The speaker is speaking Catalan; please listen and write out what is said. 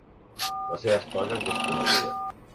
La seva esposa és desconeguda.